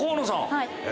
はい。